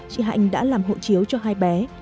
chị hạnh đã làm hộ chiếu cho hai bé